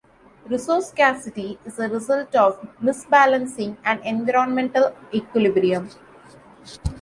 Resource scarcity is a result of misbalancing an environmental equilibrium.